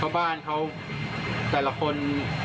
เพราะบ้านเขาแต่ละคน